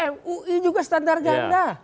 mui juga standar ganda